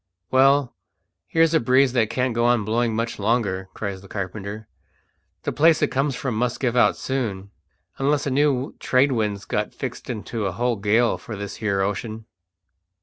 "Well, here's a breeze that can't go on blowing much longer," cries the carpenter. "The place it comes from must give out soon, unless a new trade wind's got fixed into a whole gale for this here ocean."